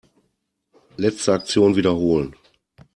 Letzte Aktion wiederholen.